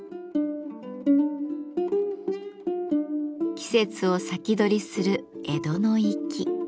季節を先取りする江戸の粋。